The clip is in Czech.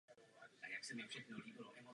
Pohoří je bohaté na nerosty.